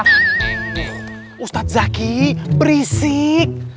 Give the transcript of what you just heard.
nih ustadz zaky berisik